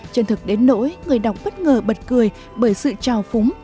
chân thực đến nỗi người đọc bất ngờ bật cười bởi sự trào phúng